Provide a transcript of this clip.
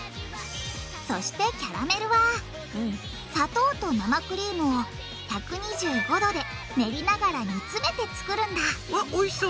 そしてキャラメルは砂糖と生クリームを１２５℃でねりながら煮つめてつくるんだわっおいしそう！